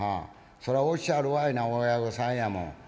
そりゃおっしゃるわいな親御さんやもん。